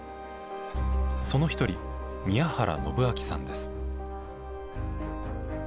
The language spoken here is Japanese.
その一人宮原信晃さんです。